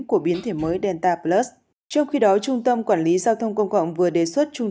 của biến thể mới delta plus trong khi đó trung tâm quản lý giao thông công cộng vừa đề xuất trung